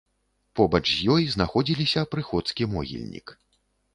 Побач з ёй знаходзіліся прыходскі могільнік.